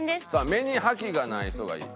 目に覇気がない人がいい。